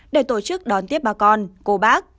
để tổ chức đón tiếp bà con cô bác